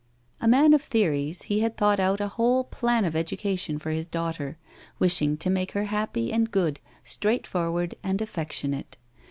A man of theories, he had thought out a whole plan of education for his daughter, wishing to make her happy and good, straight forward and affectionate.